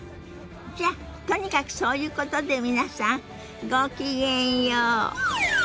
じゃとにかくそういうことで皆さんごきげんよう。